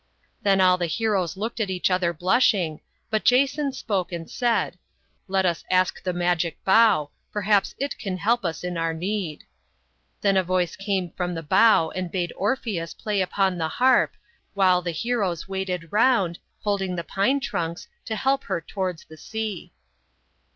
" Then all the heroes looked at each other blush ing, but Jason spoke and said, c Let us ask the magic bdugh, perhaps it can help us in our need.' Then a voice came from the bough and bade Orpheus play upon the harp, while the heroes waited round, holding the pine trunks, to help her towards the sea.